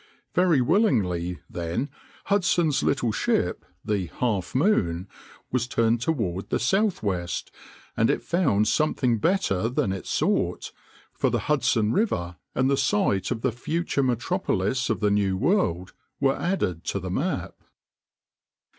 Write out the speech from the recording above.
Very willingly, then, Hudson's little ship, the Half Moon, was turned toward the southwest; and it found something better than it sought, for the Hudson River and the site of the future metropolis of the New World were added to the map.